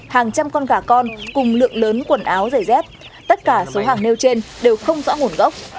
hàng trăm con gà con cùng lượng lớn quần áo giày dép tất cả số hàng nêu trên đều không rõ nguồn gốc